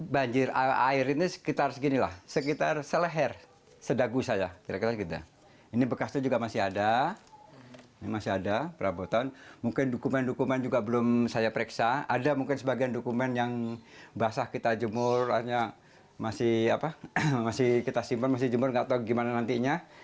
masih kita simpan masih jumur gak tau gimana nantinya